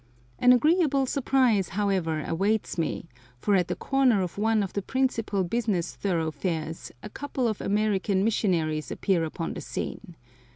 An agreeable surprise, however, awaits me, for at the corner of one of the principal business thoroughfares a couple of American missionaries appear upon the scene.